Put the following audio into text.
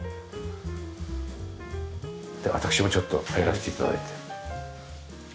私もちょっと入らせて頂いて。